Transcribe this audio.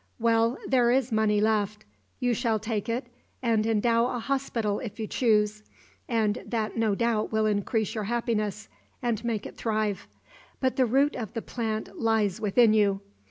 Well, there is money left. You shall take it and endow a hospital if you choose, and that no doubt will increase your happiness and make it thrive. But the root of the plant lies within you.